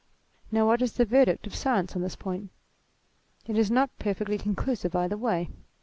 Now what is the verdict of science on this point ? It is not perfectly conclusive either way.